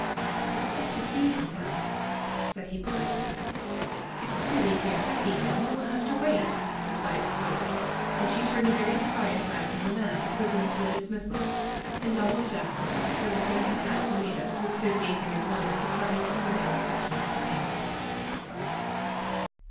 "I would like to see him now," said he politely. "If you really came to see him you will have to wait," replied Prue. And she turned a very defiant back on the man, equivalent to a dismissal. And Donald Jackson, after lifting his hat to Maida, who stood gazing in wonder, departed to Maria McCutcheon's domains.